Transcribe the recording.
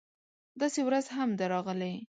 داسې ورځ هم ده راغلې